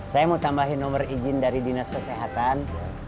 saya mau tambahin nomor izin dari dinas kesehatan